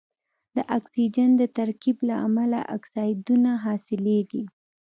د اکسیجن د ترکیب له امله اکسایدونه حاصلیږي.